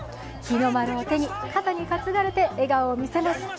日の丸を手に、肩に担がれて笑顔を見せます。